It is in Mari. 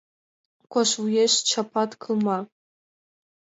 - Кож вуеш чапат кылма.